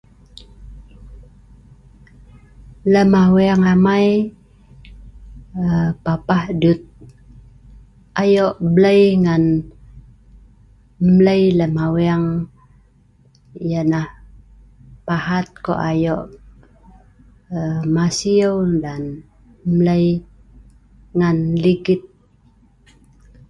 Lem aweng amai aaa.. papah dut ayo' blei ngan.. mlei lem aweng yah nah pahat kok ayo aa.. masiu dan mlei ngan ligit